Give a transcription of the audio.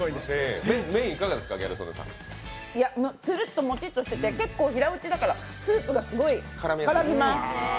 つるっとモチっとしてて、平打ちだからスープがすごい絡みます。